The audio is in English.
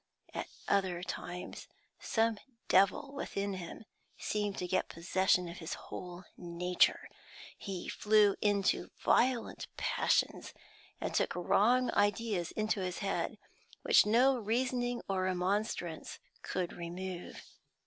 At other times some devil within him seemed to get possession of his whole nature. He flew into violent passions, and took wrong ideas into his head, which no reasoning or remonstrance could remove.